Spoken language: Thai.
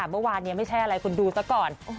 เมื่อวานนี้ไม่ใช่อะไรคุณดูซะก่อน